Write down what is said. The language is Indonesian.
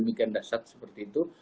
demikian dasar seperti itu